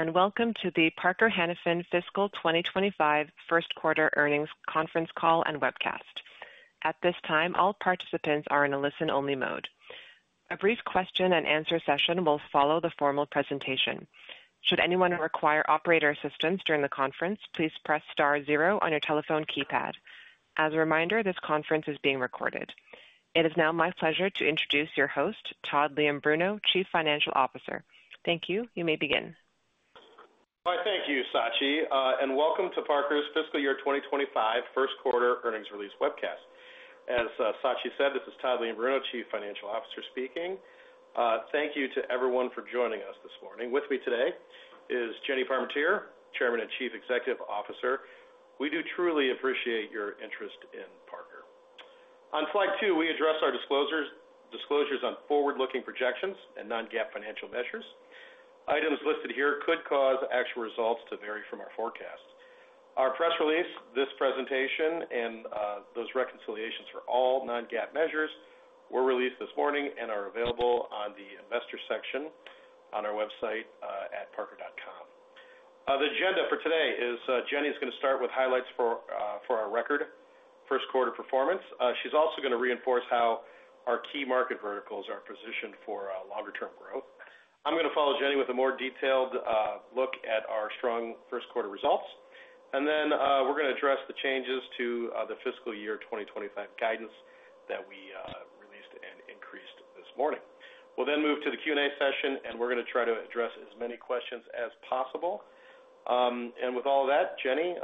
And welcome to the Parker-Hannifin fiscal 2025 first quarter earnings conference call and webcast. At this time, all participants are in a listen-only mode. A brief question-and-answer session will follow the formal presentation. Should anyone require operator assistance during the conference, please press star zero on your telephone keypad. As a reminder, this conference is being recorded. It is now my pleasure to introduce your host, Todd Leombruno, Chief Financial Officer. Thank you. You may begin. All right. Thank you, Sachi, and welcome to Parker's fiscal year 2025 first quarter earnings release webcast. As Sachi said, this is Todd Leombruno, Chief Financial Officer speaking. Thank you to everyone for joining us this morning. With me today is Jenny Parmentier, Chairman and Chief Executive Officer. We do truly appreciate your interest in Parker. On slide two, we address our disclosures on forward-looking projections and non-GAAP financial measures. Items listed here could cause actual results to vary from our forecast. Our press release, this presentation, and those reconciliations for all non-GAAP measures were released this morning and are available on the investor section on our website at parker.com. The agenda for today is Jenny's going to start with highlights for our record, first quarter performance. She's also going to reinforce how our key market verticals are positioned for longer-term growth. I'm going to follow Jenny with a more detailed look at our strong first quarter results, and then we're going to address the changes to the fiscal year 2025 guidance that we released and increased this morning. We'll then move to the Q&A session, and we're going to try to address as many questions as possible, and with all of that, Jenny,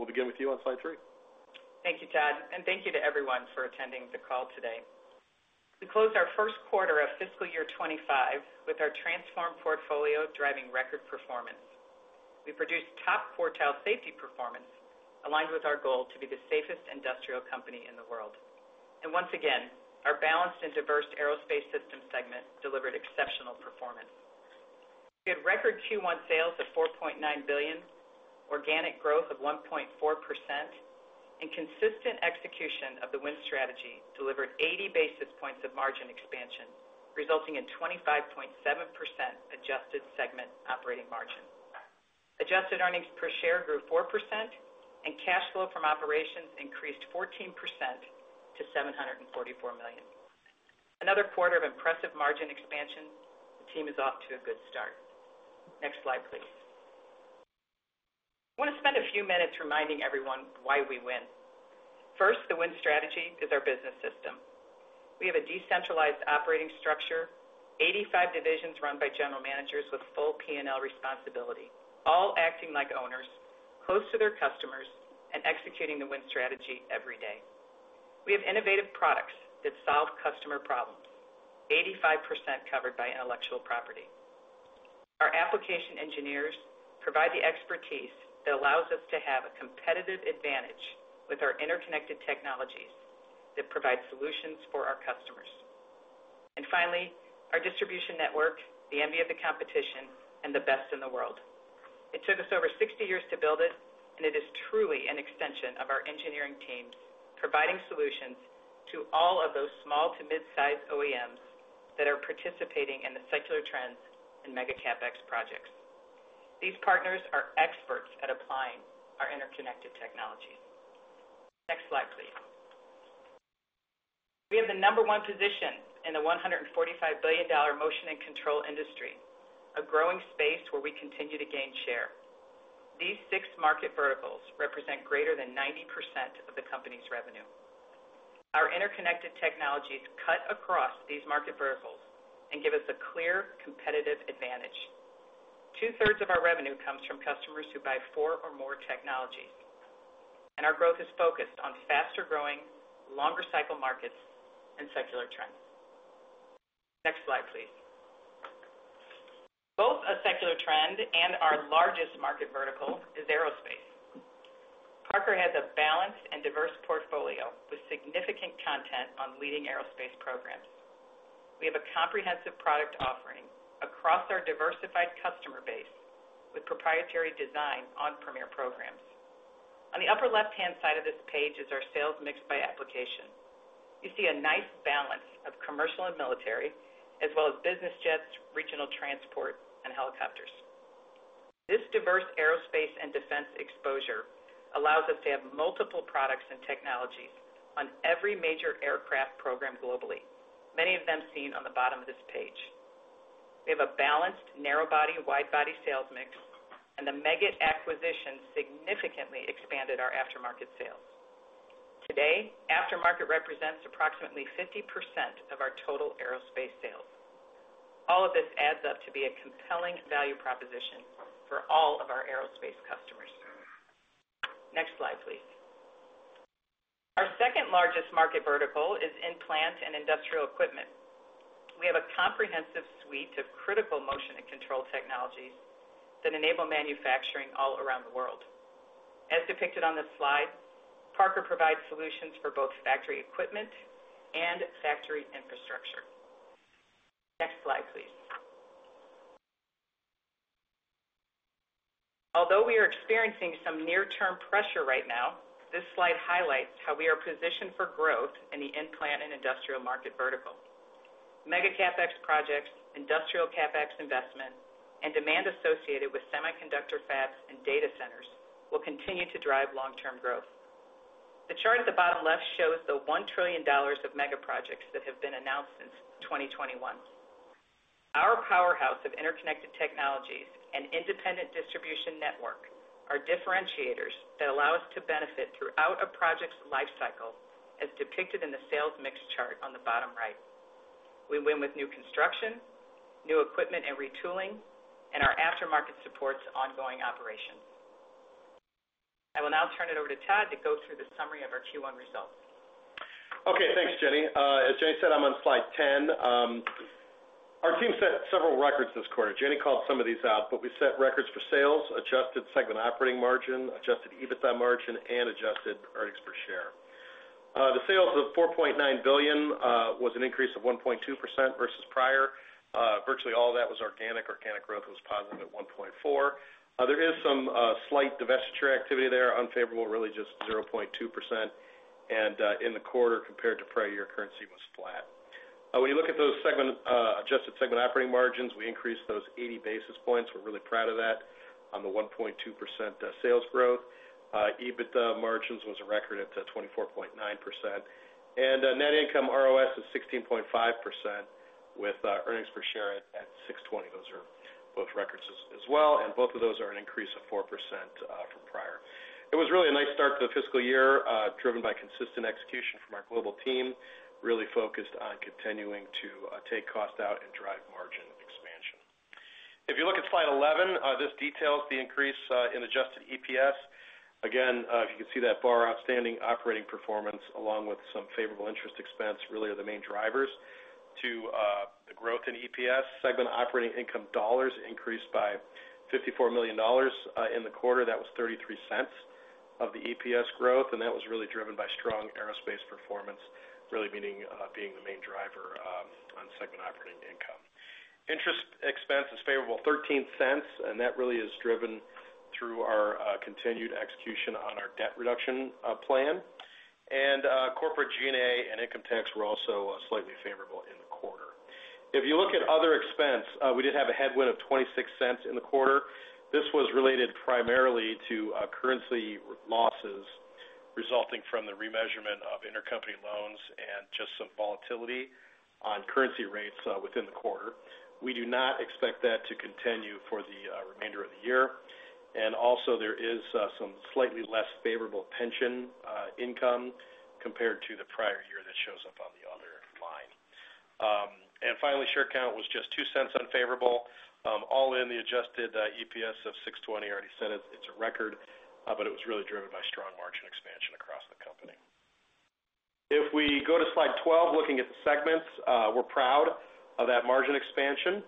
we'll begin with you on slide three. Thank you, Todd, and thank you to everyone for attending the call today. We closed our first quarter of fiscal year 2025 with our transformed portfolio driving record performance. We produced top quartile safety performance aligned with our goal to be the safest industrial company in the world. And once again, our balanced and diverse aerospace systems segment delivered exceptional performance. We had record Q1 sales of $4.9 billion, organic growth of 1.4%, and consistent execution of the Win Strategy delivered 80 basis points of margin expansion, resulting in 25.7% adjusted segment operating margin. Adjusted earnings per share grew 4%, and cash flow from operations increased 14% to $744 million. Another quarter of impressive margin expansion. The team is off to a good start. Next slide, please. I want to spend a few minutes reminding everyone why we win. First, the Win Strategy is our business system. We have a decentralized operating structure, 85 divisions run by general managers with full P&L responsibility, all acting like owners, close to their customers, and executing the Win Strategy every day. We have innovative products that solve customer problems, 85% covered by intellectual property. Our application engineers provide the expertise that allows us to have a competitive advantage with our interconnected technologies that provide solutions for our customers, and finally, our distribution network, the envy of the competition, and the best in the world. It took us over 60 years to build it, and it is truly an extension of our engineering teams providing solutions to all of those small to mid-sized OEMs that are participating in the secular trends and mega CapEx projects. These partners are experts at applying our interconnected technologies. Next slide, please. We have the number one position in the $145 billion motion and control industry, a growing space where we continue to gain share. These six market verticals represent greater than 90% of the company's revenue. Our interconnected technologies cut across these market verticals and give us a clear competitive advantage. Two-thirds of our revenue comes from customers who buy four or more technologies, and our growth is focused on faster growing, longer cycle markets, and secular trends. Next slide, please. Both a secular trend and our largest market vertical is aerospace. Parker has a balanced and diverse portfolio with significant content on leading aerospace programs. We have a comprehensive product offering across our diversified customer base with proprietary design on premier programs. On the upper left-hand side of this page is our sales mix by application. You see a nice balance of commercial and military, as well as business jets, regional transport, and helicopters. This diverse aerospace and defense exposure allows us to have multiple products and technologies on every major aircraft program globally, many of them seen on the bottom of this page. We have a balanced narrow-body, wide-body sales mix, and the Meggitt acquisition significantly expanded our aftermarket sales. Today, aftermarket represents approximately 50% of our total aerospace sales. All of this adds up to be a compelling value proposition for all of our aerospace customers. Next slide, please. Our second largest market vertical is in plant and industrial equipment. We have a comprehensive suite of critical motion and control technologies that enable manufacturing all around the world. As depicted on this slide, Parker provides solutions for both factory equipment and factory infrastructure. Next slide, please. Although we are experiencing some near-term pressure right now, this slide highlights how we are positioned for growth in the in-plant and industrial market vertical. Mega CapEx projects, industrial CapEx investment, and demand associated with semiconductor fabs and data centers will continue to drive long-term growth. The chart at the bottom left shows the $1 trillion of Mega Projects that have been announced since 2021. Our powerhouse of interconnected technologies and independent distribution network are differentiators that allow us to benefit throughout a project's lifecycle, as depicted in the sales mix chart on the bottom right. We win with new construction, new equipment, and retooling, and our aftermarket supports ongoing operations. I will now turn it over to Todd to go through the summary of our Q1 results. Okay. Thanks, Jenny. As Jenny said, I'm on slide 10. Our team set several records this quarter. Jenny called some of these out, but we set records for sales, adjusted segment operating margin, adjusted EBITDA margin, and adjusted earnings per share. The sales of $4.9 billion was an increase of 1.2% versus prior. Virtually all of that was organic. Organic growth was positive at 1.4%. There is some slight divestiture activity there, unfavorable, really just 0.2%. And in the quarter compared to prior, your currency was flat. When you look at those adjusted segment operating margins, we increased those 80 basis points. We're really proud of that on the 1.2% sales growth. EBITDA margins was a record at 24.9%. And net income ROS is 16.5% with earnings per share at $6.20. Those are both records as well. And both of those are an increase of 4% from prior. It was really a nice start to the fiscal year driven by consistent execution from our global team, really focused on continuing to take cost out and drive margin expansion. If you look at slide 11, this details the increase in adjusted EPS. Again, if you can see that bar, outstanding operating performance along with some favorable interest expense really are the main drivers to the growth in EPS. Segment operating income dollars increased by $54 million in the quarter. That was $0.33 of the EPS growth, and that was really driven by strong aerospace performance, really being the main driver on segment operating income. Interest expense is favorable, $0.13, and that really is driven through our continued execution on our debt reduction plan, and corporate G&A and income tax were also slightly favorable in the quarter. If you look at other expense, we did have a headwind of $0.26 in the quarter. This was related primarily to currency losses resulting from the remeasurement of intercompany loans and just some volatility on currency rates within the quarter. We do not expect that to continue for the remainder of the year. And also, there is some slightly less favorable pension income compared to the prior year that shows up on the other line. And finally, share count was just $0.02 unfavorable. All in, the adjusted EPS of $6.20. I already said it's a record, but it was really driven by strong margin expansion across the company. If we go to slide 12, looking at the segments, we're proud of that margin expansion.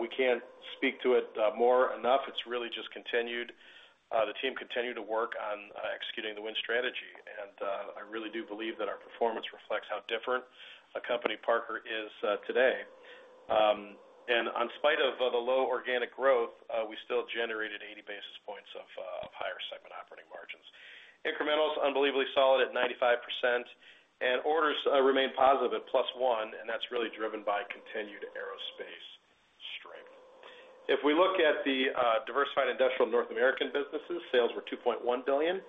We can't speak to it more enough. It's really just continued. The team continued to work on executing the Win Strategy. I really do believe that our performance reflects how different a company Parker is today. And in spite of the low organic growth, we still generated 80 basis points of higher segment operating margins. Incrementals unbelievably solid at 95%. And orders remain positive at plus 1%. And that's really driven by continued aerospace strength. If we look at the diversified industrial North American businesses, sales were $2.1 billion.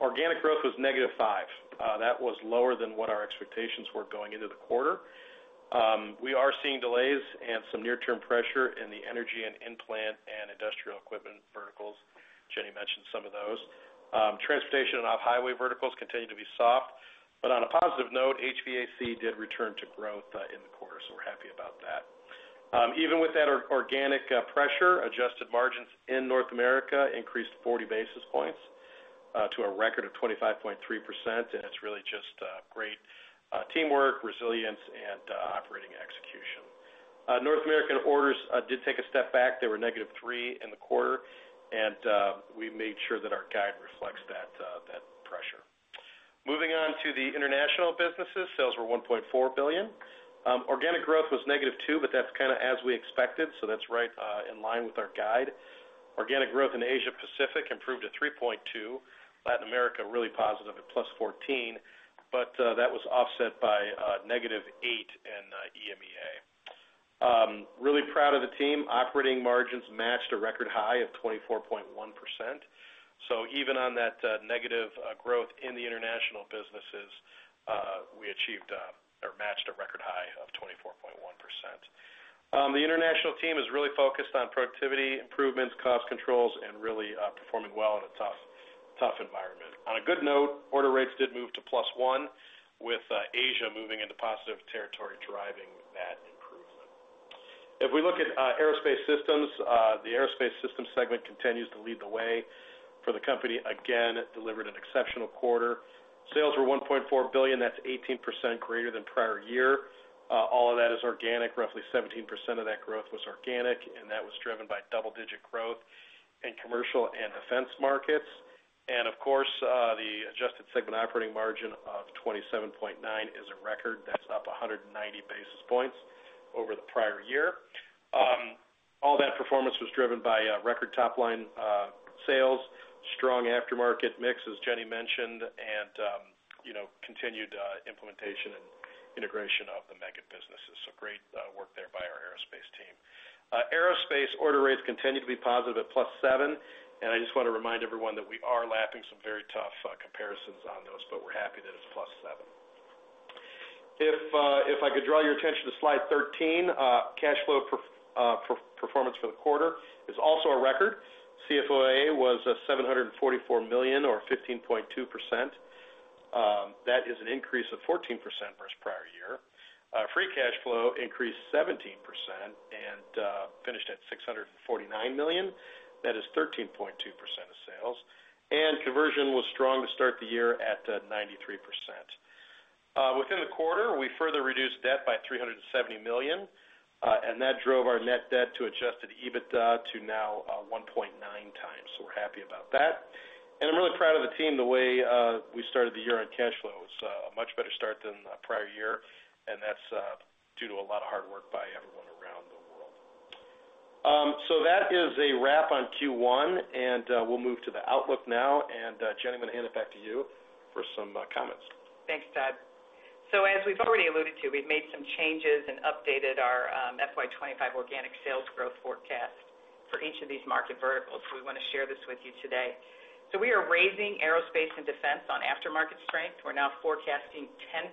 Organic growth was negative 5%. That was lower than what our expectations were going into the quarter. We are seeing delays and some near-term pressure in the energy and in-plant and industrial equipment verticals. Jenny mentioned some of those. Transportation and off-highway verticals continue to be soft. But on a positive note, HVAC did return to growth in the quarter. So we're happy about that. Even with that organic pressure, adjusted margins in North America increased 40 basis points to a record of 25.3%, and it's really just great teamwork, resilience, and operating execution. North American orders did take a step back. They were -3% in the quarter, and we made sure that our guide reflects that pressure. Moving on to the international businesses, sales were $1.4 billion. Organic growth was -2%, but that's kind of as we expected. So that's right in line with our guide. Organic growth in Asia-Pacific improved to 3.2%. Latin America really positive at +14%, but that was offset by -8% in EMEA, really proud of the team. Operating margins matched a record high of 24.1%, so even on that negative growth in the international businesses, we achieved or matched a record high of 24.1%. The international team is really focused on productivity, improvements, cost controls, and really performing well in a tough environment. On a good note, order rates did move to +1, with Asia moving into positive territory driving that improvement. If we look at aerospace systems, the aerospace systems segment continues to lead the way for the company. Again, delivered an exceptional quarter. Sales were $1.4 billion. That's 18% greater than prior year. All of that is organic. Roughly 17% of that growth was organic. And that was driven by double-digit growth in commercial and defense markets. And of course, the adjusted segment operating margin of 27.9% is a record. That's up 190 basis points over the prior year. All that performance was driven by record top-line sales, strong aftermarket mix as Jenny mentioned, and continued implementation and integration of the mega businesses. So great work there by our aerospace team. Aerospace order rates continue to be positive at +7. And I just want to remind everyone that we are lapping some very tough comparisons on those, but we're happy that it's +7. If I could draw your attention to slide 13, cash flow performance for the quarter is also a record. CFOA was $744 million or 15.2%. That is an increase of 14% versus prior year. Free cash flow increased 17% and finished at $649 million. That is 13.2% of sales. And conversion was strong to start the year at 93%. Within the quarter, we further reduced debt by $370 million. And that drove our net debt to adjusted EBITDA to now 1.9x. So we're happy about that. And I'm really proud of the team. The way we started the year on cash flow was a much better start than prior year. That's due to a lot of hard work by everyone around the world. That is a wrap on Q1. We'll move to the outlook now. Jenny, I'm going to hand it back to you for some comments. Thanks, Todd. So as we've already alluded to, we've made some changes and updated our FY 2025 organic sales growth forecast for each of these market verticals. We want to share this with you today. So we are raising aerospace and defense on aftermarket strength. We're now forecasting 10%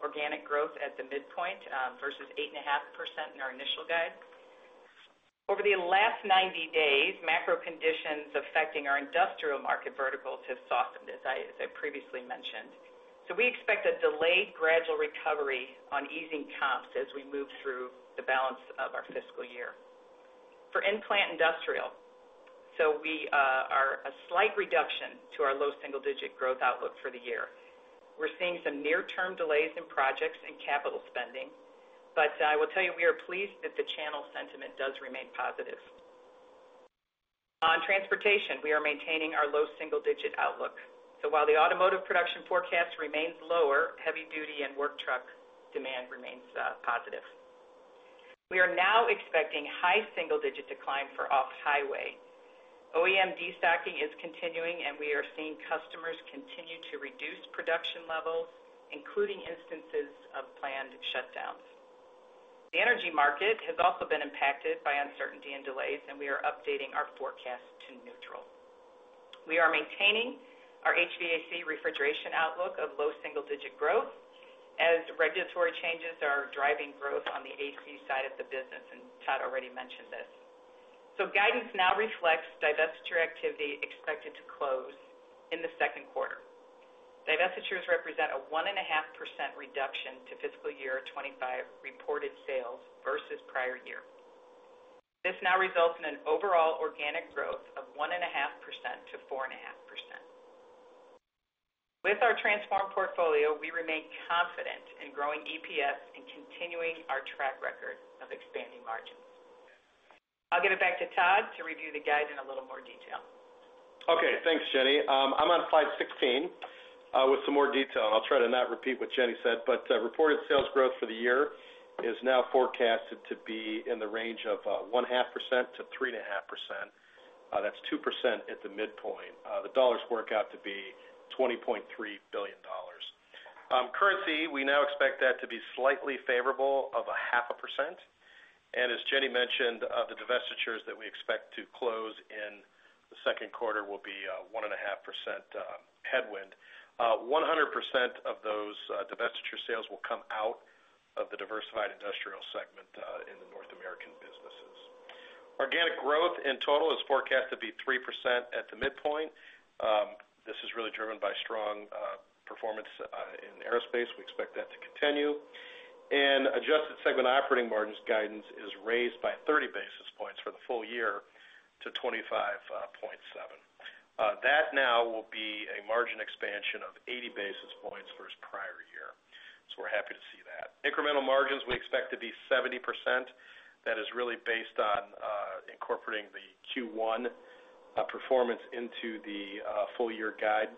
organic growth at the midpoint versus 8.5% in our initial guide. Over the last 90 days, macro conditions affecting our industrial market verticals have softened, as I previously mentioned. So we expect a delayed gradual recovery on easing comps as we move through the balance of our fiscal year. For in-plant industrial, so we are a slight reduction to our low single-digit growth outlook for the year. We're seeing some near-term delays in projects and capital spending. But I will tell you, we are pleased that the channel sentiment does remain positive. On transportation, we are maintaining our low single-digit outlook. So while the automotive production forecast remains lower, heavy-duty and work truck demand remains positive. We are now expecting high single-digit decline for off-highway. OEM destocking is continuing, and we are seeing customers continue to reduce production levels, including instances of planned shutdowns. The energy market has also been impacted by uncertainty and delays, and we are updating our forecast to neutral. We are maintaining our HVAC refrigeration outlook of low single-digit growth as regulatory changes are driving growth on the AC side of the business. And Todd already mentioned this. So guidance now reflects divestiture activity expected to close in the second quarter. Divestitures represent a 1.5% reduction to fiscal year 2025 reported sales versus prior year. This now results in an overall organic growth of 1.5% to 4.5%. With our transform portfolio, we remain confident in growing EPS and continuing our track record of expanding margins. I'll give it back to Todd to review the guide in a little more detail. Okay. Thanks, Jenny. I'm on slide 16 with some more detail, and I'll try to not repeat what Jenny said, but reported sales growth for the year is now forecasted to be in the range of 1.5%-3.5%. That's 2% at the midpoint. The dollars work out to be $20.3 billion. Currency, we now expect that to be slightly favorable or 0.5%. And as Jenny mentioned, the divestitures that we expect to close in the second quarter will be 1.5% headwind. 100% of those divestiture sales will come out of the diversified industrial segment in the North American businesses. Organic growth in total is forecast to be 3% at the midpoint. This is really driven by strong performance in aerospace. We expect that to continue, and adjusted segment operating margins guidance is raised by 30 basis points for the full year to 25.7%. That now will be a margin expansion of 80 basis points versus prior year. So we're happy to see that. Incremental margins we expect to be 70%. That is really based on incorporating the Q1 performance into the full-year guide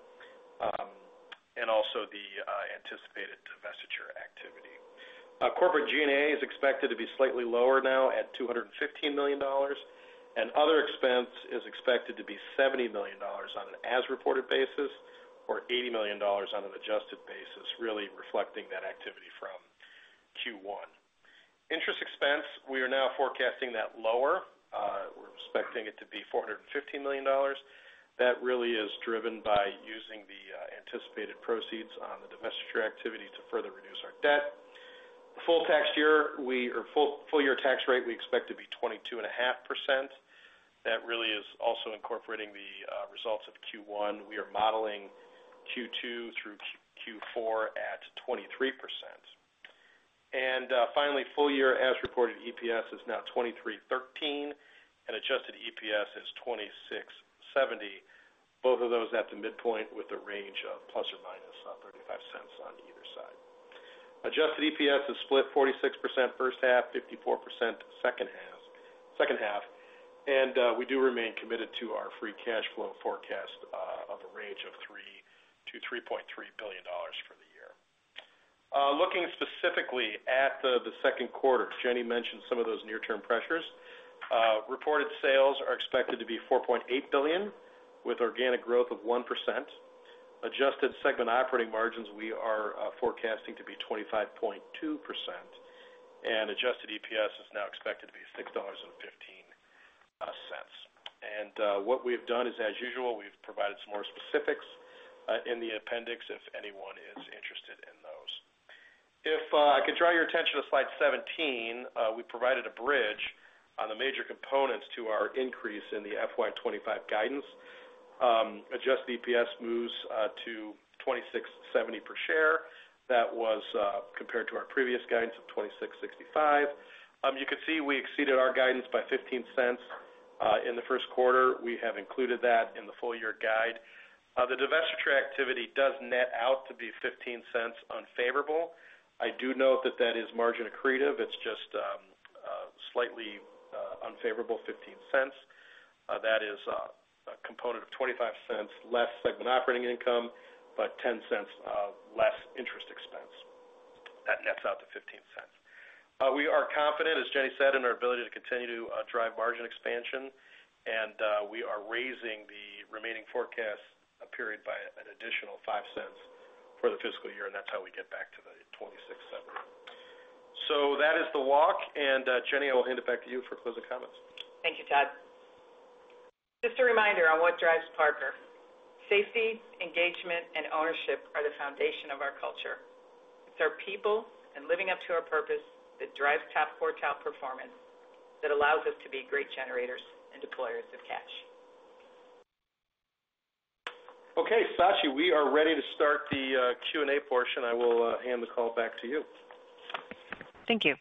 and also the anticipated divestiture activity. Corporate G&A is expected to be slightly lower now at $215 million, and other expense is expected to be $70 million on an as-reported basis or $80 million on an adjusted basis, really reflecting that activity from Q1. Interest expense, we are now forecasting that lower. We're expecting it to be $415 million. That really is driven by using the anticipated proceeds on the divestiture activity to further reduce our debt. Full tax year or full-year tax rate, we expect to be 22.5%. That really is also incorporating the results of Q1. We are modeling Q2 through Q4 at 23%. And finally, full-year as-reported EPS is now $23.13, and adjusted EPS is $26.70, both of those at the midpoint with a range of plus or minus $0.35 on either side. Adjusted EPS is split 46% first half, 54% second half. And we do remain committed to our free cash flow forecast of a range of $3 billion-$3.3 billion for the year. Looking specifically at the second quarter, Jenny mentioned some of those near-term pressures. Reported sales are expected to be $4.8 billion with organic growth of 1%. Adjusted segment operating margins, we are forecasting to be 25.2%. And adjusted EPS is now expected to be $6.15. And what we have done is, as usual, we've provided some more specifics in the appendix if anyone is interested in those. If I could draw your attention to slide 17, we provided a bridge on the major components to our increase in the FY 2025 guidance. Adjusted EPS moves to $26.70 per share. That was compared to our previous guidance of $26.65. You can see we exceeded our guidance by $0.15 in the first quarter. We have included that in the full-year guide. The divestiture activity does net out to be $0.15 unfavorable. I do note that that is margin accretive. It's just slightly unfavorable, $0.15. That is a component of $0.25 less segment operating income, but $0.10 less interest expense. That nets out to $0.15. We are confident, as Jenny said, in our ability to continue to drive margin expansion, and we are raising the remaining forecast period by an additional $0.05 for the fiscal year. And that's how we get back to the $26.70. So that is the walk. And Jenny, I will hand it back to you for closing comments. Thank you, Todd. Just a reminder on what drives Parker. Safety, engagement, and ownership are the foundation of our culture. It's our people and living up to our purpose that drives top quartile performance that allows us to be great generators and deployers of cash. Okay. Sachi, we are ready to start the Q&A portion. I will hand the call back to you. Thank you.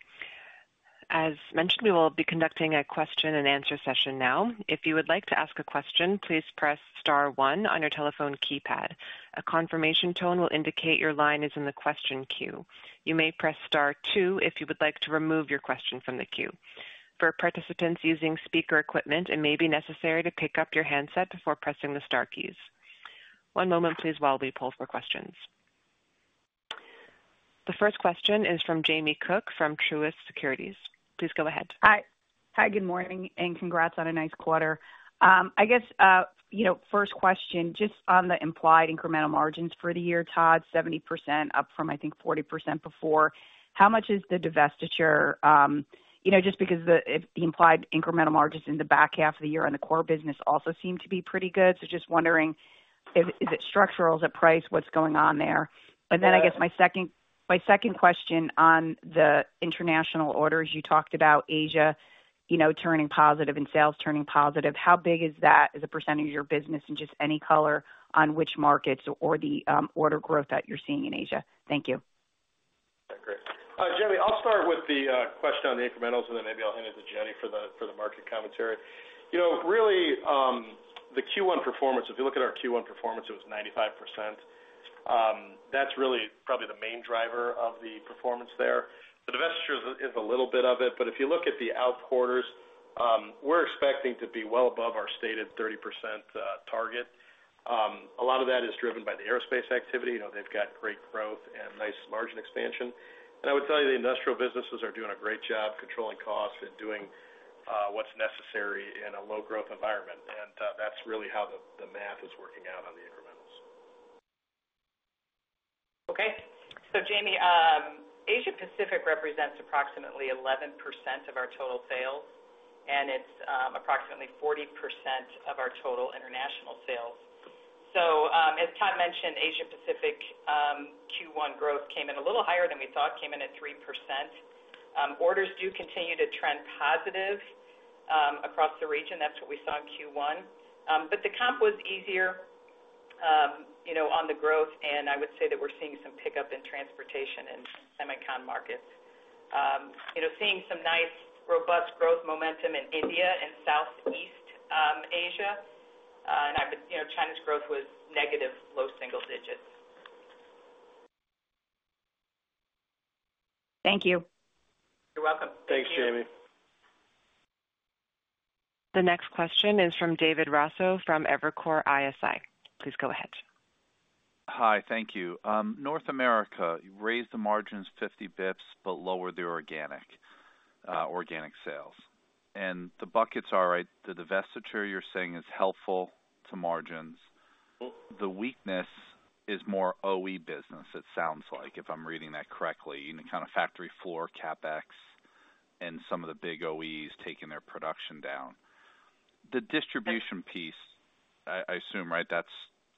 As mentioned, we will be conducting a question-and-answer session now. If you would like to ask a question, please press star one on your telephone keypad. A confirmation tone will indicate your line is in the question queue. You may press star two if you would like to remove your question from the queue. For participants using speaker equipment, it may be necessary to pick up your handset before pressing the star keys. One moment, please, while we pull for questions. The first question is from Jamie Cook from Truist Securities. Please go ahead. Hi. Hi, good morning, and congrats on a nice quarter. I guess, first question, just on the implied incremental margins for the year, Todd, 70% up from, I think, 40% before. How much is the divestiture just because the implied incremental margins in the back half of the year on the core business also seem to be pretty good? So just wondering, is it structural? Is it price? What's going on there? And then I guess my second question on the international orders, you talked about Asia turning positive and sales turning positive. How big is that as a percentage of your business in just any color on which markets or the order growth that you're seeing in Asia? Thank you. Okay. Great. Jenny, I'll start with the question on the incrementals, and then maybe I'll hand it to Jenny for the market commentary. Really, the Q1 performance, if you look at our Q1 performance, it was 95%. That's really probably the main driver of the performance there. The divestiture is a little bit of it. But if you look at the out quarters, we're expecting to be well above our stated 30% target. A lot of that is driven by the aerospace activity. They've got great growth and nice margin expansion. And I would tell you, the industrial businesses are doing a great job controlling costs and doing what's necessary in a low-growth environment. And that's really how the math is working out on the incrementals. Okay. So Jamie, Asia-Pacific represents approximately 11% of our total sales, and it's approximately 40% of our total international sales. So as Todd mentioned, Asia-Pacific Q1 growth came in a little higher than we thought, came in at 3%. Orders do continue to trend positive across the region. That's what we saw in Q1. But the comp was easier on the growth. And I would say that we're seeing some pickup in transportation and semicon markets. Seeing some nice robust growth momentum in India and Southeast Asia. And China's growth was negative, low single digits. Thank you. You're welcome. Thanks, Jamie. The next question is from David Raso from Evercore ISI. Please go ahead. Hi. Thank you. North America raised the margins 50 bips, but lowered the organic sales, and the buckets are the divestiture you're saying is helpful to margins. The weakness is more OE business, it sounds like, if I'm reading that correctly, kind of factory floor, CapEx, and some of the big OEs taking their production down. The distribution piece, I assume, right?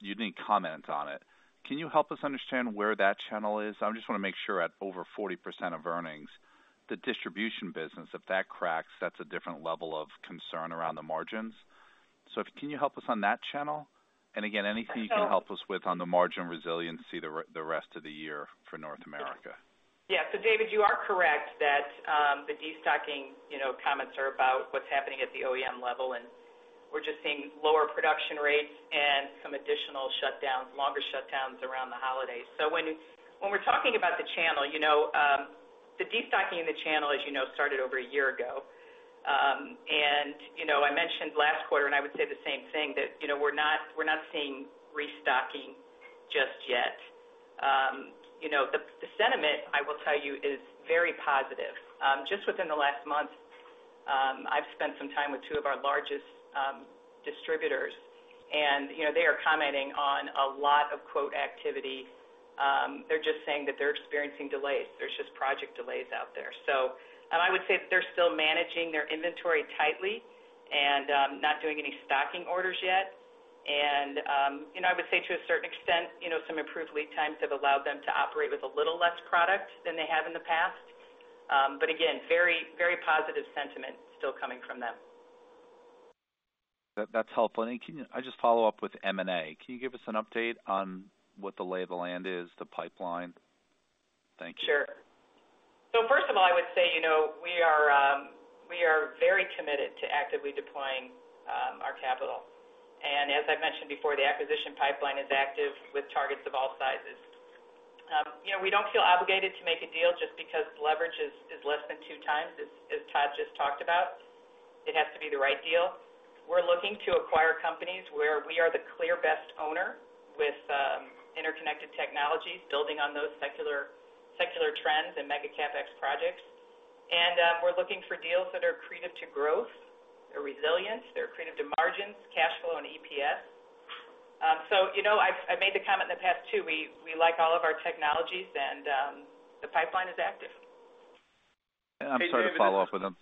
You didn't comment on it. Can you help us understand where that channel is? I just want to make sure at over 40% of earnings, the distribution business, if that cracks, that's a different level of concern around the margins. So can you help us on that channel, and again, anything you can help us with on the margin resiliency the rest of the year for North America? Yeah. So David, you are correct that the destocking comments are about what's happening at the OEM level. And we're just seeing lower production rates and some additional shutdowns, longer shutdowns around the holidays. So when we're talking about the channel, the destocking in the channel, as you know, started over a year ago. And I mentioned last quarter, and I would say the same thing, that we're not seeing restocking just yet. The sentiment, I will tell you, is very positive. Just within the last month, I've spent some time with two of our largest distributors. And they are commenting on a lot of quote activity. They're just saying that they're experiencing delays. There's just project delays out there. So I would say that they're still managing their inventory tightly and not doing any stocking orders yet. And I would say to a certain extent, some improved lead times have allowed them to operate with a little less product than they have in the past. But again, very positive sentiment still coming from them. That's helpful. And I just follow up with M&A. Can you give us an update on what the lay of the land is, the pipeline? Thank you. Sure. So first of all, I would say we are very committed to actively deploying our capital. And as I've mentioned before, the acquisition pipeline is active with targets of all sizes. We don't feel obligated to make a deal just because leverage is less than two times, as Todd just talked about. It has to be the right deal. We're looking to acquire companies where we are the clear best owner with interconnected technologies, building on those secular trends and mega CapEx projects. And we're looking for deals that are accretive to growth and resilience, and accretive to margins, cash flow, and EPS. I've made the comment in the past too. We like all of our technologies, and the pipeline is active. I'm sorry to follow up with them.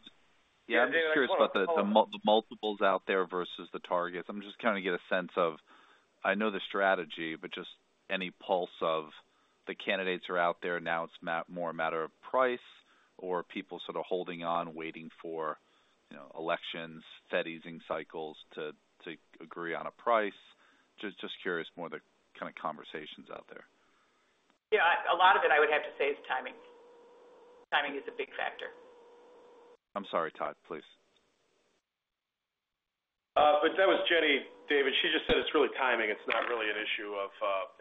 Yeah. I'm just curious about the multiples out there versus the targets. I'm just trying to get a sense. I know the strategy, but just any pulse of the candidates are out there. Now it's more a matter of price or people sort of holding on, waiting for elections, Fed easing cycles to agree on a price. Just curious more of the kind of conversations out there. Yeah. A lot of it, I would have to say, is timing. Timing is a big factor. I'm sorry, Todd. Please. But that was Jenny, David. She just said it's really timing. It's not really an issue of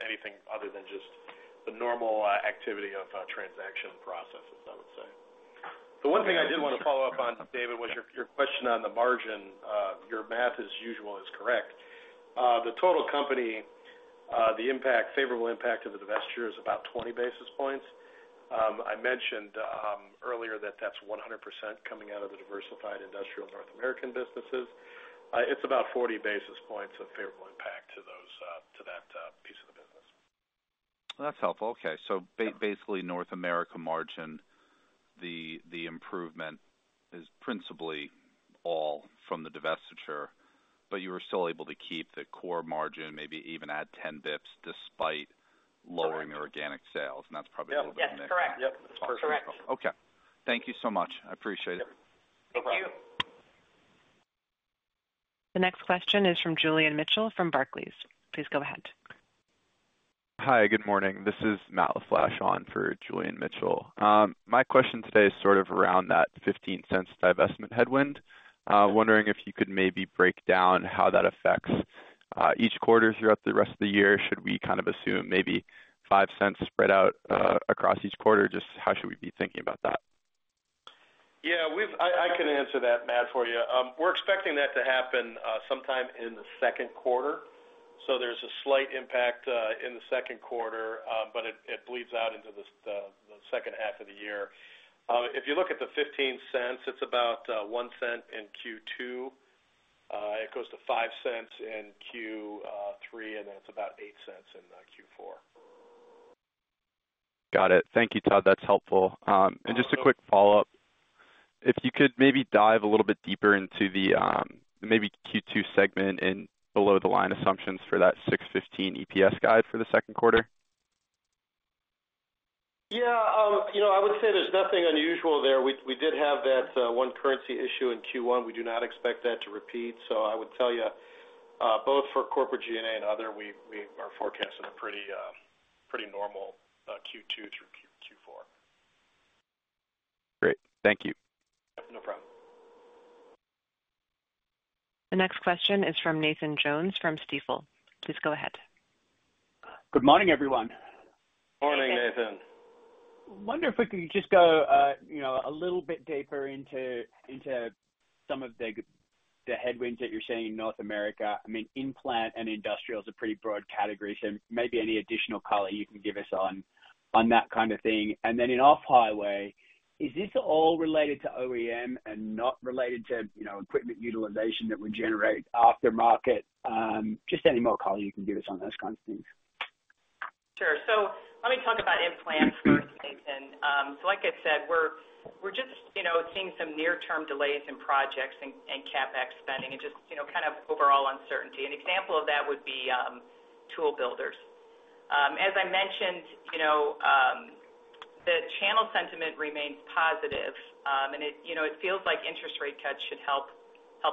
anything other than just the normal activity of transaction processes, I would say. The one thing I did want to follow up on, David, was your question on the margin. Your math, as usual, is correct. The total company, the favorable impact of the divestiture is about 20 basis points. I mentioned earlier that that's 100% coming out of the diversified industrial North America businesses. It's about 40 basis points of favorable impact to that piece of the business. That's helpful. Okay. So basically, North America margin, the improvement is principally all from the divestiture, but you were still able to keep the core margin, maybe even add 10 bips despite lowering the organic sales. And that's probably a little bit of a mix. Yep. That's correct. Yep. That's perfectly helpful. That's correct. Okay. Thank you so much. I appreciate it. Thank you. The next question is from Julian Mitchell from Barclays. Please go ahead. Hi. Good morning. This is Matt Laflash on for Julian Mitchell. My question today is sort of around that $0.15 divestment headwind. Wondering if you could maybe break down how that affects each quarter throughout the rest of the year. Should we kind of assume maybe $0.05 spread out across each quarter? Just how should we be thinking about that? Yeah. I can answer that, Matt, for you. We're expecting that to happen sometime in the second quarter. So there's a slight impact in the second quarter, but it bleeds out into the second half of the year. If you look at the $0.15, it's about $0.01 in Q2. It goes to $0.05 in Q3, and then it's about $0.08 in Q4. Got it. Thank you, Todd. That's helpful. And just a quick follow-up. If you could maybe dive a little bit deeper into the maybe Q2 segment and below-the-line assumptions for that $6.15 EPS guide for the second quarter. Yeah. I would say there's nothing unusual there. We did have that one currency issue in Q1. We do not expect that to repeat. So I would tell you, both for corporate G&A and other, we are forecasting a pretty normal Q2 through Q4. Great. Thank you. Yep. No problem. The next question is from Nathan Jones from Stifel. Please go ahead. Good morning, everyone. Morning, Nathan. Wonder if we could just go a little bit deeper into some of the headwinds that you're seeing in North America. I mean, aerospace and industrial is a pretty broad category. So maybe any additional color you can give us on that kind of thing, and then in off-highway, is this all related to OEM and not related to equipment utilization that would generate aftermarket? Just any more color you can give us on those kinds of things. Sure. So let me talk about implants first, Nathan. So like I said, we're just seeing some near-term delays in projects and CapEx spending and just kind of overall uncertainty. An example of that would be tool builders. As I mentioned, the channel sentiment remains positive. And it feels like interest rate cuts should help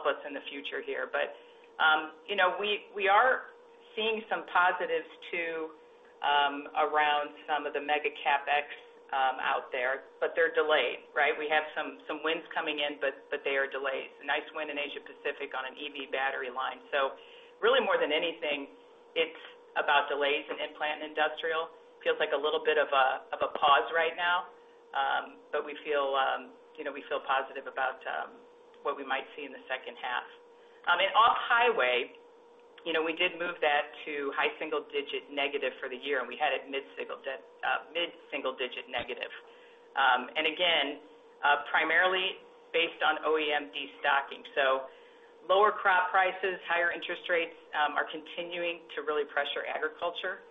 us in the future here. But we are seeing some positives too around some of the mega CapEx out there, but they're delayed, right? We have some wins coming in, but they are delays. A nice win in Asia-Pacific on an EV battery line. So really, more than anything, it's about delays in implant and industrial. Feels like a little bit of a pause right now, but we feel positive about what we might see in the second half. In off-highway, we did move that to high single digit negative for the year, and we had it mid-single digit negative. Again, primarily based on OEM destocking. Lower crop prices, higher interest rates are continuing to really pressure agriculture.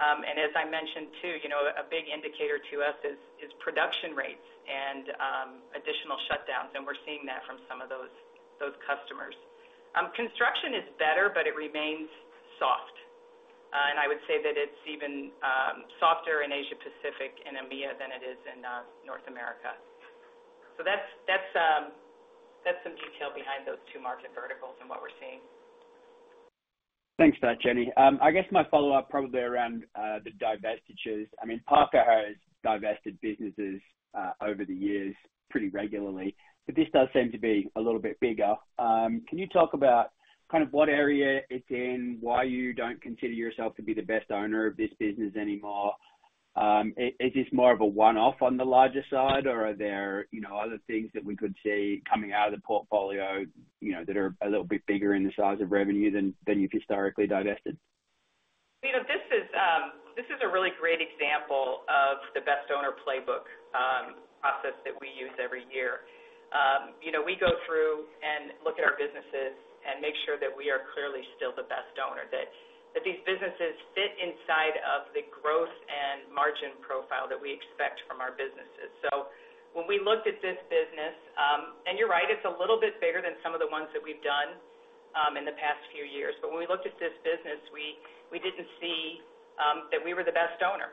As I mentioned too, a big indicator to us is production rates and additional shutdowns. We're seeing that from some of those customers. Construction is better, but it remains soft. I would say that it's even softer in Asia-Pacific and EMEA than it is in North America. That's some detail behind those two market verticals and what we're seeing. Thanks for that, Jenny. I guess my follow-up probably around the divestitures. I mean, Parker has divested businesses over the years pretty regularly, but this does seem to be a little bit bigger. Can you talk about kind of what area it's in, why you don't consider yourself to be the best owner of this business anymore? Is this more of a one-off on the larger side, or are there other things that we could see coming out of the portfolio that are a little bit bigger in the size of revenue than you've historically divested? This is a really great example of the best owner playbook process that we use every year. We go through and look at our businesses and make sure that we are clearly still the best owner, that these businesses fit inside of the growth and margin profile that we expect from our businesses, so when we looked at this business, and you're right, it's a little bit bigger than some of the ones that we've done in the past few years, but when we looked at this business, we didn't see that we were the best owner.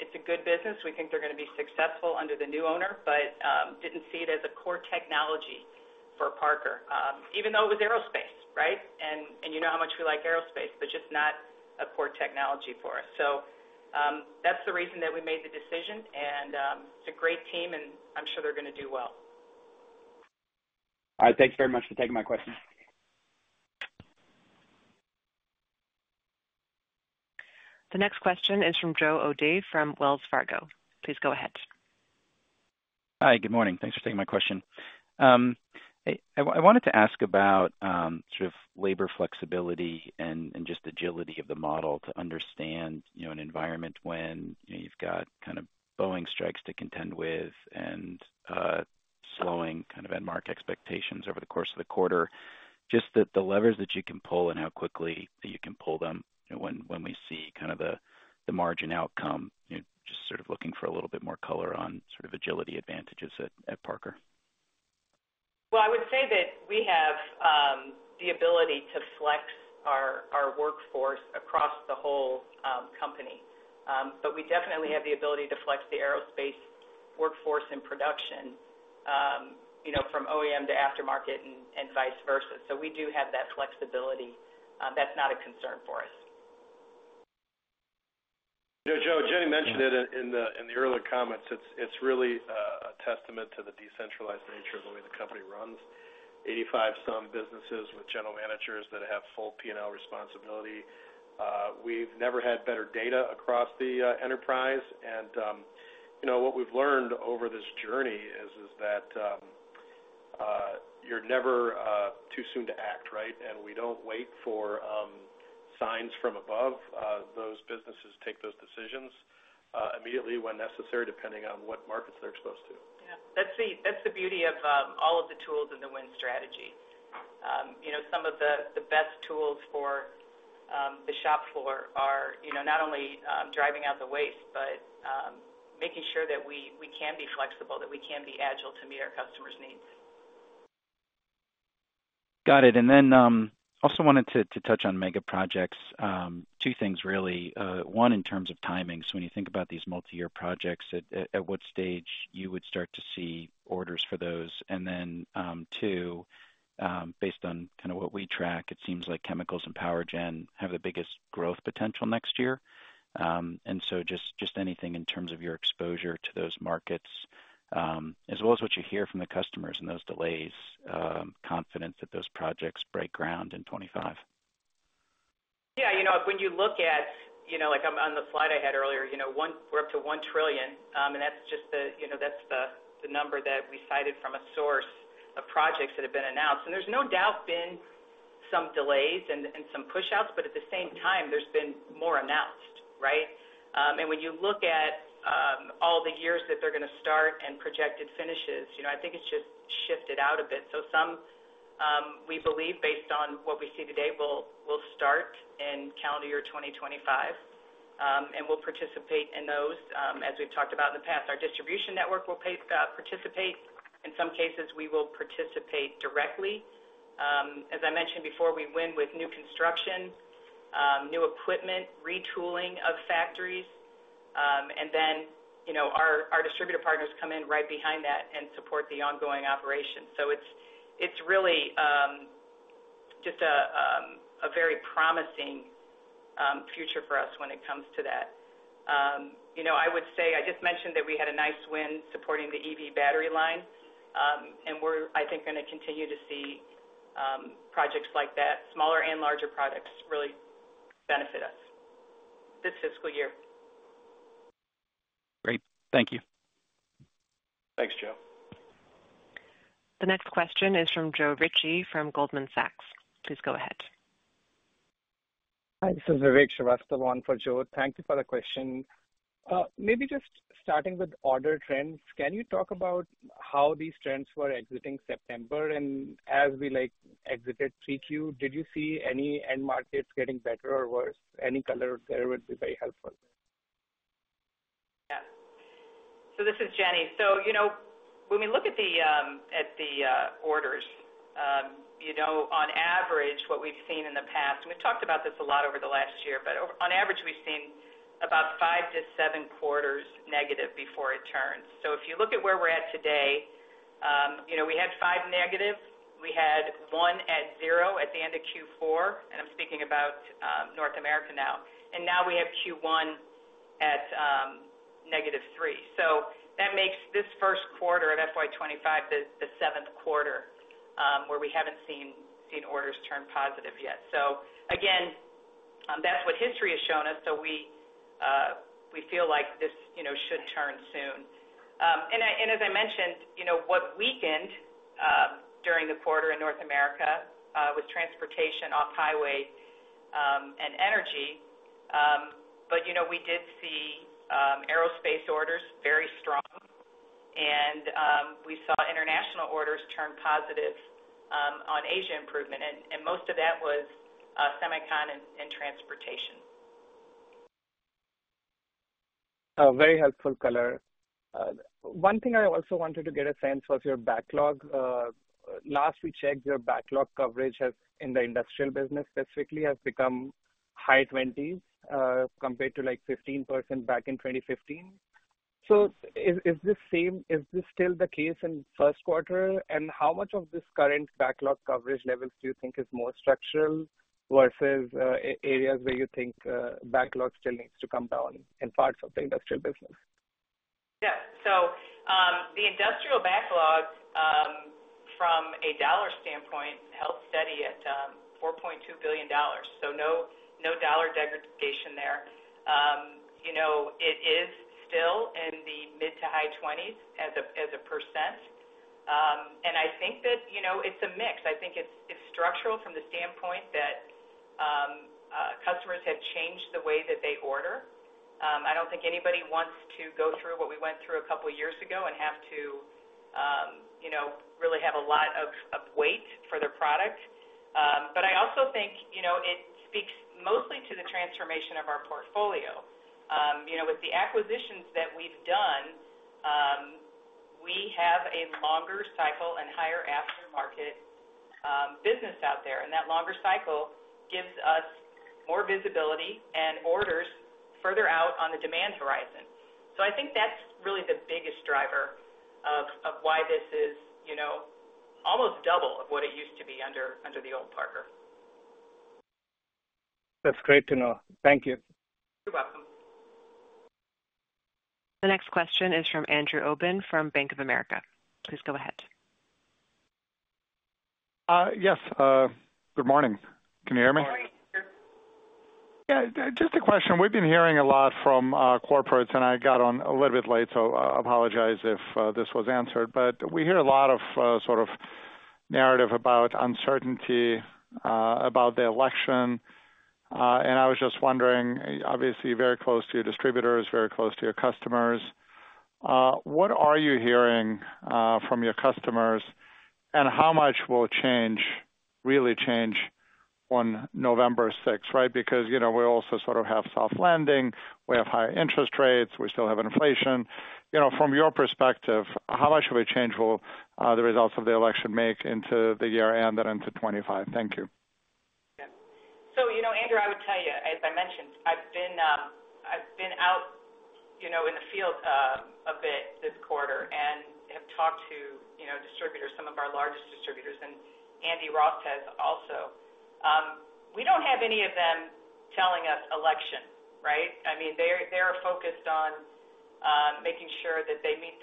It's a good business. We think they're going to be successful under the new owner, but didn't see it as a core technology for Parker, even though it was aerospace, right, and you know how much we like aerospace, but just not a core technology for us. So that's the reason that we made the decision. And it's a great team, and I'm sure they're going to do well. All right. Thanks very much for taking my question. The next question is from Joe O'Dea from Wells Fargo. Please go ahead. Hi. Good morning. Thanks for taking my question. I wanted to ask about sort of labor flexibility and just agility of the model to understand an environment when you've got kind of Boeing strikes to contend with and slowing kind of end-market expectations over the course of the quarter. Just the levers that you can pull and how quickly that you can pull them when we see kind of the margin outcome, just sort of looking for a little bit more color on sort of agility advantages at Parker. I would say that we have the ability to flex our workforce across the whole company. But we definitely have the ability to flex the aerospace workforce and production from OEM to aftermarket and vice versa. So we do have that flexibility. That's not a concern for us. Joe, Jenny mentioned it in the earlier comments. It's really a testament to the decentralized nature of the way the company runs. 85-some businesses with general managers that have full P&L responsibility. We've never had better data across the enterprise. And what we've learned over this journey is that you're never too soon to act, right? And we don't wait for signs from above. Those businesses take those decisions immediately when necessary, depending on what markets they're exposed to. Yeah. That's the beauty of all of the tools in the Win Strategy. Some of the best tools for the shop floor are not only driving out the waste, but making sure that we can be flexible, that we can be agile to meet our customers' needs. Got it. And then also wanted to touch on Mega Projects. Two things, really. One, in terms of timing. So when you think about these multi-year projects, at what stage you would start to see orders for those? And then two, based on kind of what we track, it seems like chemicals and power gen have the biggest growth potential next year. And so just anything in terms of your exposure to those markets, as well as what you hear from the customers and those delays, confidence that those projects break ground in 2025. Yeah. When you look at, like on the slide I had earlier, we're up to $1 trillion. And that's just the number that we cited from a source of projects that have been announced. And there's no doubt been some delays and some push-outs, but at the same time, there's been more announced, right? And when you look at all the years that they're going to start and projected finishes, I think it's just shifted out a bit. So some, we believe, based on what we see today, will start in calendar year 2025, and we'll participate in those as we've talked about in the past. Our distribution network will participate. In some cases, we will participate directly. As I mentioned before, we win with new construction, new equipment, retooling of factories. And then our distributor partners come in right behind that and support the ongoing operation. So it's really just a very promising future for us when it comes to that. I would say I just mentioned that we had a nice win supporting the EV battery line. And we're, I think, going to continue to see projects like that, smaller and larger products, really benefit us this fiscal year. Great. Thank you. Thanks, Joe. The next question is from Joe Ritchie from Goldman Sachs. Please go ahead. Hi. This is Vivek Srivastava the one for Joe. Thank you for the question. Maybe just starting with order trends, can you talk about how these trends were exiting September? And as we exited 3Q, did you see any end markets getting better or worse? Any color there would be very helpful. Yes. So this is Jenny. So when we look at the orders, on average, what we've seen in the past, and we've talked about this a lot over the last year, but on average, we've seen about five to seven quarters negative before it turns. So if you look at where we're at today, we had five negative. We had one at zero at the end of Q4. And I'm speaking about North America now. And now we have Q1 at -3. So that makes this first quarter of FY 2025 the seventh quarter where we haven't seen orders turn positive yet. So again, that's what history has shown us. So we feel like this should turn soon. And as I mentioned, what weakened during the quarter in North America was transportation, off-highway, and energy. But we did see aerospace orders very strong. We saw international orders turn positive on Asia improvement. Most of that was semicon and transportation. Very helpful color. One thing I also wanted to get a sense of your backlog. Last we checked, your backlog coverage in the industrial business specifically has become high 20s compared to like 15% back in 2015. So is this still the case in first quarter? And how much of this current backlog coverage levels do you think is more structural versus areas where you think backlog still needs to come down in parts of the industrial business? Yeah. So the industrial backlog, from a dollar standpoint, held steady at $4.2 billion. So no dollar degradation there. It is still in the mid- to high 20s%. And I think that it's a mix. I think it's structural from the standpoint that customers have changed the way that they order. I don't think anybody wants to go through what we went through a couple of years ago and have to really have a lot of wait for their product. But I also think it speaks mostly to the transformation of our portfolio. With the acquisitions that we've done, we have a longer cycle and higher aftermarket business out there. And that longer cycle gives us more visibility and orders further out on the demand horizon. So I think that's really the biggest driver of why this is almost double of what it used to be under the old Parker. That's great to know. Thank you. You're welcome. The next question is from Andrew Obin from Bank of America. Please go ahead. Yes. Good morning. Can you hear me? Good morning. Yeah. Just a question. We've been hearing a lot from corporates, and I got on a little bit late, so I apologize if this was answered. But we hear a lot of sort of narrative about uncertainty, about the election. And I was just wondering, obviously, very close to your distributors, very close to your customers, what are you hearing from your customers? And how much will change, really change on November 6th, right? Because we also sort of have soft landing. We have higher interest rates. We still have inflation. From your perspective, how much of a change will the results of the election make into the year and then into 2025? Thank you. Yeah. So Andrew, I would tell you, as I mentioned, I've been out in the field a bit this quarter and have talked to distributors, some of our largest distributors, and Andy Ross has also. We don't have any of them telling us election, right? I mean, they are focused on making sure that they meet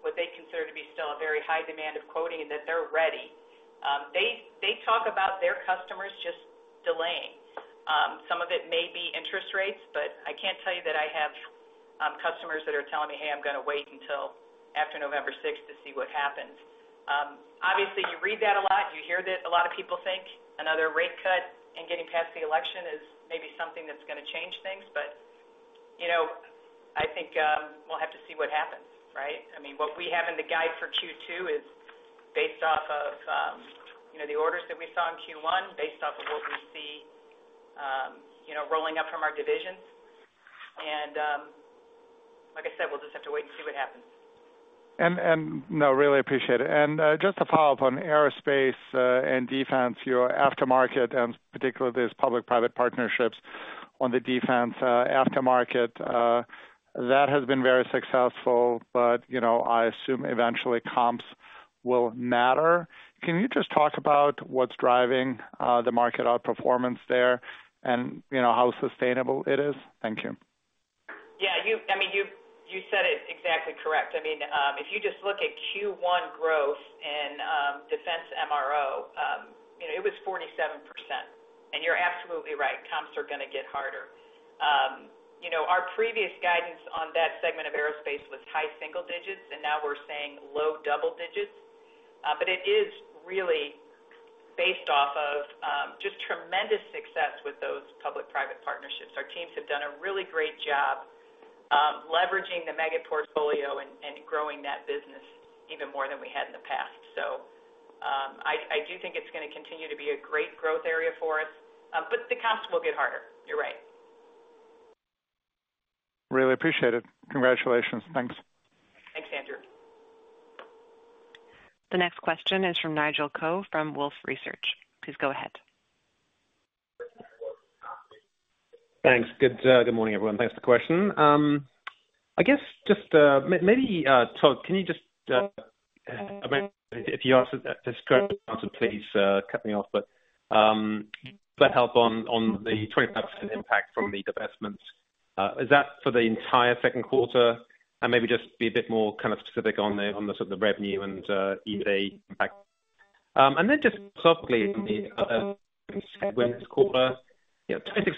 what they consider to be still a very high demand of quoting and that they're ready. They talk about their customers just delaying. Some of it may be interest rates, but I can't tell you that I have customers that are telling me, "Hey, I'm going to wait until after November 6th to see what happens." Obviously, you read that a lot. You hear that a lot of people think another rate cut and getting past the election is maybe something that's going to change things. But I think we'll have to see what happens, right? I mean, what we have in the guide for Q2 is based off of the orders that we saw in Q1, based off of what we see rolling up from our divisions. And like I said, we'll just have to wait and see what happens. And, no, really appreciate it. And just to follow up on aerospace and defense, your aftermarket, and particularly these public-private partnerships on the defense aftermarket, that has been very successful, but I assume eventually comps will matter. Can you just talk about what's driving the market outperformance there and how sustainable it is? Thank you. Yeah. I mean, you said it exactly correct. I mean, if you just look at Q1 growth and Defense MRO, it was 47%, and you're absolutely right. Comps are going to get harder. Our previous guidance on that segment of aerospace was high single digits, and now we're saying low double digits, but it is really based off of just tremendous success with those public-private partnerships. Our teams have done a really great job leveraging the mega portfolio and growing that business even more than we had in the past, so I do think it's going to continue to be a great growth area for us, but the comps will get harder. You're right. Really appreciate it. Congratulations. Thanks. Thanks, Andrew. The next question is from Nigel Coe from Wolfe Research. Please go ahead. Thanks. Good morning, everyone. Thanks for the question. I guess just maybe can you just if you're asking a discrete answer, please cut me off, but help on the 25% impact from the divestments. Is that for the entire second quarter? And maybe just be a bit more kind of specific on the sort of the revenue and EBITDA impact. And then just slightly in the other quarter, 26%.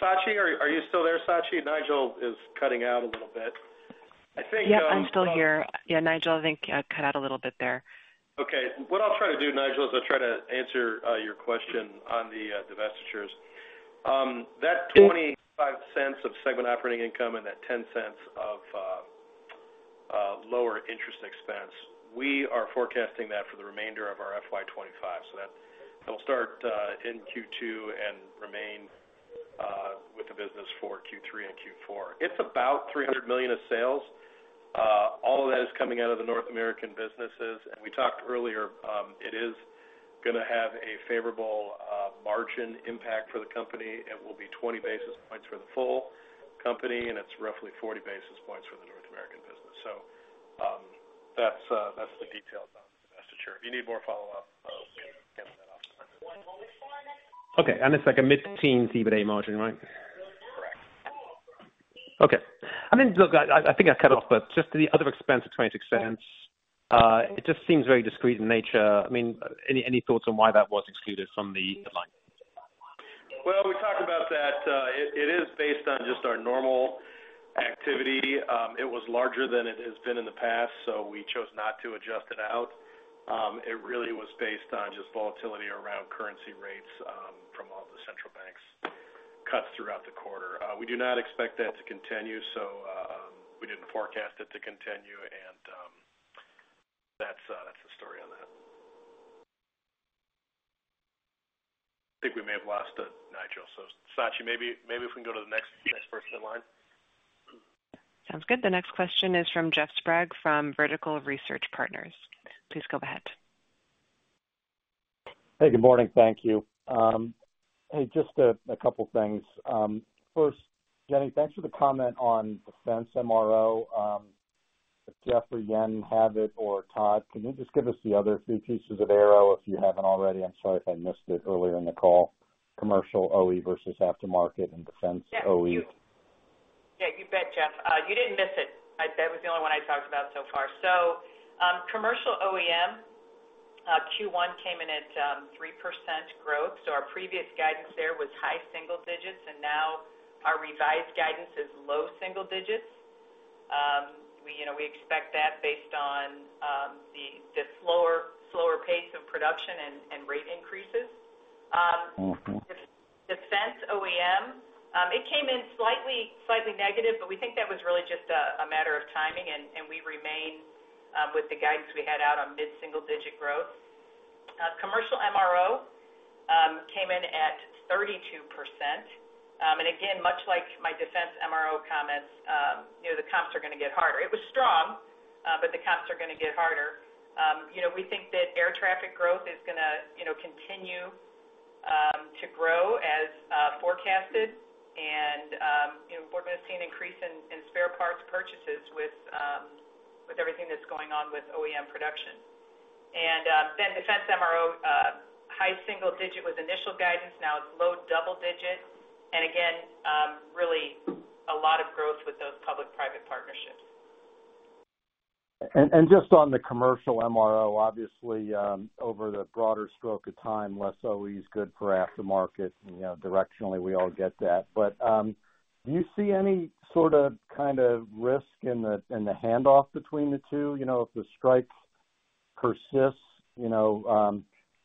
Sachi, are you still there, Sachi? Nigel is cutting out a little bit. I think. Yeah, I'm still here. Yeah, Nigel, I think cut out a little bit there. Okay. What I'll try to do, Nigel, is I'll try to answer your question on the divestitures. That $0.25 of segment operating income and that $0.10 of lower interest expense, we are forecasting that for the remainder of our FY 2025. So that will start in Q2 and remain with the business for Q3 and Q4. It's about $300 million of sales. All of that is coming out of the North American businesses. And we talked earlier, it is going to have a favorable margin impact for the company. It will be 20 basis points for the full company, and it's roughly 40 basis points for the North American business. So that's the details on the divestiture. If you need more follow-up, we can get that off. Okay. And it's like a mid-teens EBITDA margin, right? Correct. Okay. I mean, look, I think I cut off, but just the other expense of $0.26, it just seems very discrete in nature. I mean, any thoughts on why that was excluded from the deadline? We talked about that. It is based on just our normal activity. It was larger than it has been in the past, so we chose not to adjust it out. It really was based on just volatility around currency rates from all the central banks' cuts throughout the quarter. We do not expect that to continue, so we didn't forecast it to continue. That's the story on that. I think we may have lost to Nigel. Sachi, maybe if we can go to the next person in line. Sounds good. The next question is from Jeff Sprague from Vertical Research Partners. Please go ahead. Hey, good morning. Thank you. Hey, just a couple of things. First, Jenny, thanks for the comment on Defense MRO. Jeff or Jen, or Todd, can you just give us the other three pieces of ARO if you haven't already? I'm sorry if I missed it earlier in the call. Commercial OE versus aftermarket and Defense OE. Yeah, you bet, Jeff. You didn't miss it. That was the only one I talked about so far. So commercial OEM, Q1 came in at 3% growth. So our previous guidance there was high single digits, and now our revised guidance is low single digits. We expect that based on the slower pace of production and rate increases. Defense OEM, it came in slightly negative, but we think that was really just a matter of timing, and we remain with the guidance we had out on mid-single digit growth. Commercial MRO came in at 32%. And again, much like my Defense MRO comments, the comps are going to get harder. It was strong, but the comps are going to get harder. We think that air traffic growth is going to continue to grow as forecasted, and we're going to see an increase in spare parts purchases with everything that's going on with OEM production. And then Defense MRO, high single digit was initial guidance. Now it's low double digit. And again, really a lot of growth with those public-private partnerships. Just on the Commercial MRO, obviously, over the broader stroke of time, less OE is good for aftermarket. Directionally, we all get that. Do you see any sort of kind of risk in the handoff between the two? If the strike persists,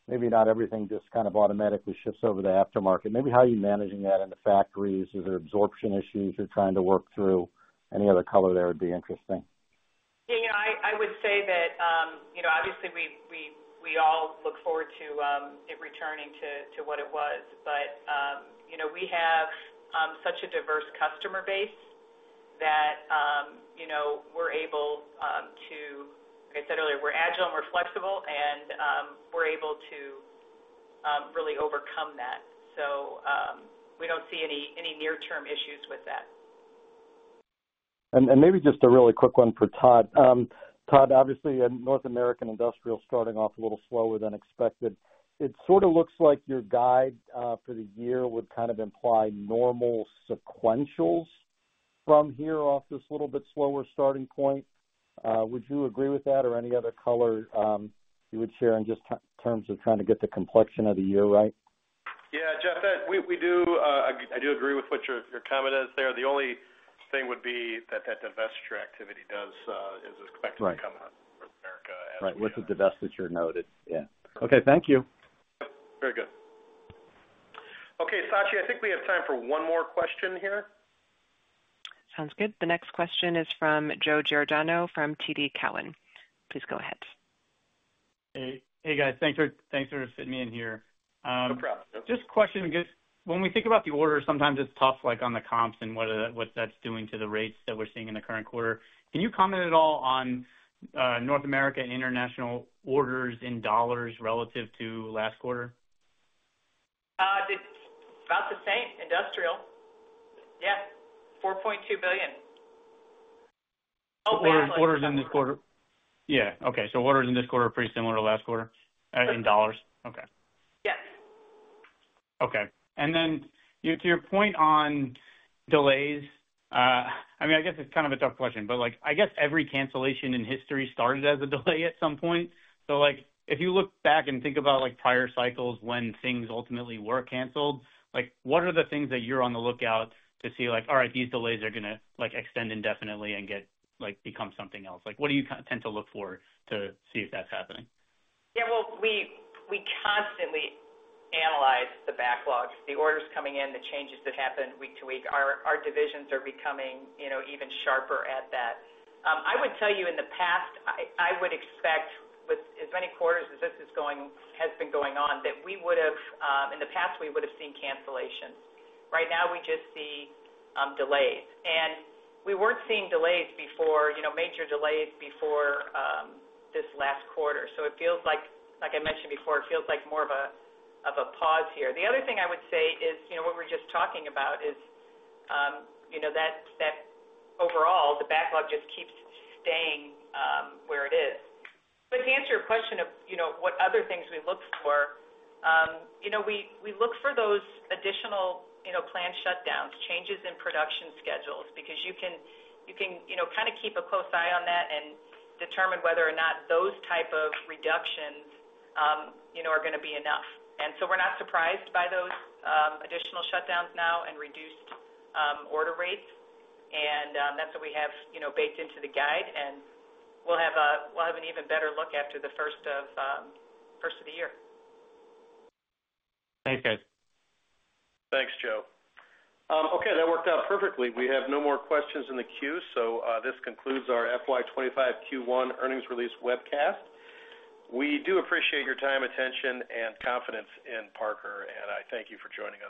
maybe not everything just kind of automatically shifts over to the aftermarket. Maybe how are you managing that in the factories? Is there absorption issues you're trying to work through? Any other color there would be interesting? Yeah. I would say that obviously, we all look forward to it returning to what it was. But we have such a diverse customer base that we're able to, like I said earlier, we're agile and we're flexible, and we're able to really overcome that. So we don't see any near-term issues with that. Maybe just a really quick one for Todd. Todd, obviously, in North American Industrial starting off a little slower than expected. It sort of looks like your guide for the year would kind of imply normal sequentials from here off this little bit slower starting point. Would you agree with that? Or any other color you would share in just terms of trying to get the complexion of the year right? Yeah. Jeff, I do agree with what your comment is there. The only thing would be that that divestiture activity does is expected to come out of North America. Right. With the divestiture noted. Yeah. Okay. Thank you. Yep. Very good. Okay. Sachi, I think we have time for one more question here. Sounds good. The next question is from Joe Giordano from TD Cowen. Please go ahead. Hey, guys. Thanks for fitting me in here. No problem. Just a question. When we think about the order, sometimes it's tough on the comps and what that's doing to the rates that we're seeing in the current quarter. Can you comment at all on North America and international orders in dollars relative to last quarter? About the same. Industrial. Yeah. $4.2 billion. Oh, well, last quarter. Orders in this quarter. Yeah. Okay. So orders in this quarter are pretty similar to last quarter in dollars. Okay. Yes. Okay. And then to your point on delays, I mean, I guess it's kind of a tough question, but I guess every cancellation in history started as a delay at some point. So if you look back and think about prior cycles when things ultimately were canceled, what are the things that you're on the lookout to see like, "All right, these delays are going to extend indefinitely and become something else"? What do you tend to look for to see if that's happening? Yeah. Well, we constantly analyze the backlog, the orders coming in, the changes that happen week to week. Our divisions are becoming even sharper at that. I would tell you in the past, I would expect with as many quarters as this has been going on that we would have in the past, we would have seen cancellations. Right now, we just see delays. And we weren't seeing delays before, major delays before this last quarter. So it feels like, like I mentioned before, it feels like more of a pause here. The other thing I would say is what we're just talking about is that overall, the backlog just keeps staying where it is. But to answer your question of what other things we look for, we look for those additional planned shutdowns, changes in production schedules, because you can kind of keep a close eye on that and determine whether or not those types of reductions are going to be enough. And so we're not surprised by those additional shutdowns now and reduced order rates. And that's what we have baked into the guide. And we'll have an even better look after the first of the year. Thanks, guys. Thanks, Joe. Okay. That worked out perfectly. We have no more questions in the queue. So this concludes our FY 2025 Q1 earnings release webcast. We do appreciate your time, attention, and confidence in Parker, and I thank you for joining us.